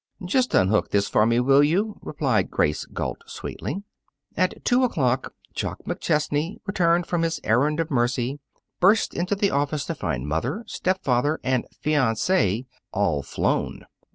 "Just unhook this for me, will you?" replied Grace Galt sweetly. At two o'clock, Jock McChesney, returned from his errand of mercy, burst into the office to find mother, step father, and fiancee all flown.